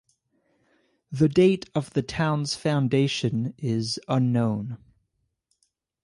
The date of the town's foundation is unknown.